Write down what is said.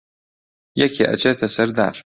یەکێ ئەچێتە سەر دار